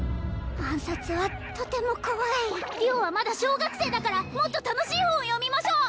暗殺はとても怖い良はまだ小学生だからもっと楽しい本を読みましょう！